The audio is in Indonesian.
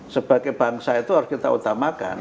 sebagai bangsa itu harus kita utamakan